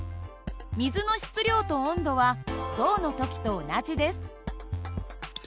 水の質量と温度は銅の時と同じです。